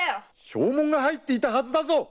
証文が入っていたはずだぞ！